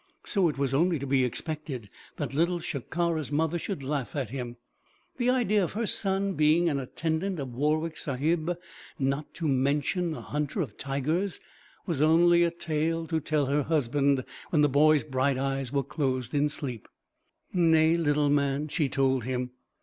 So it was only to be expected that Little Shikara's mother should laugh at him. The idea of her son being an attendant of Warwick Sahib, not to mention a hunter of tigers, was only a tale to tell her husband when the boy's bright eyes were closed in sleep. "Nay, little man," she told him.